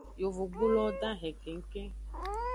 Yovogbulowo dahen kengkeng.